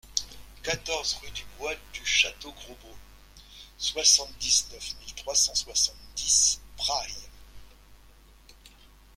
quatorze rue du Bois du Château Gros Bo, soixante-dix-neuf mille trois cent soixante-dix Prailles